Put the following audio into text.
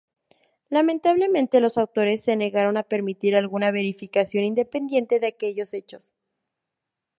Lamentablemente los autores se negaron a permitir alguna verificación independiente de aquellos hechos.